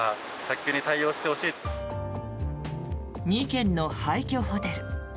２軒の廃虚ホテル。